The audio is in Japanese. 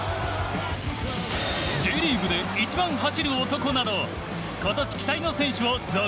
Ｊリーグで一番走る男など今年期待の選手を続々紹介。